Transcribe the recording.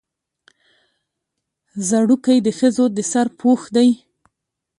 ځړوکی د ښځو د سر پوښ دی